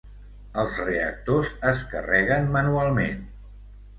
Els reactors es carreguen manualment.